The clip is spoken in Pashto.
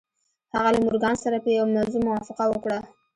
هغه له مورګان سره په یوه موضوع موافقه وکړه